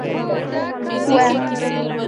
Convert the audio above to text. وه